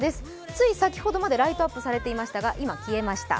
つい先ほどまでライトアップされていましたが、今は消えました。